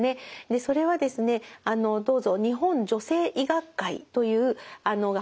それはですねどうぞ日本女性医学会という学会のですね